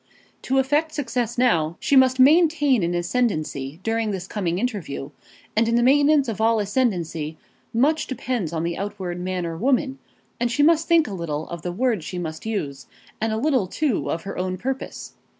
To effect success now, she must maintain an ascendancy during this coming interview, and in the maintenance of all ascendancy, much depends on the outward man or woman; and she must think a little of the words she must use, and a little, too, of her own purpose.